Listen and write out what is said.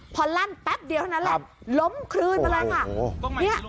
พอลั่นแป๊บเดียวเท่านั้นแหละล้มคลืนมาเลยค่ะ